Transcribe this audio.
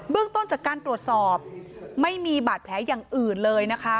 ต้นจากการตรวจสอบไม่มีบาดแผลอย่างอื่นเลยนะคะ